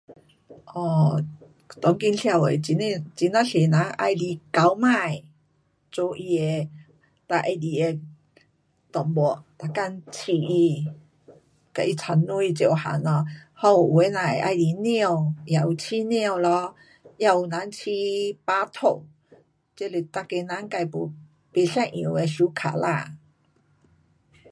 um 当今社会很多很呀多人喜欢狗霾做他的最喜欢的动物，每天，养它跟它冲凉每样 um，还有有的人喜欢猫，也有养猫咯，还有白兔，这是每个人自没，不一样的 suka 啦。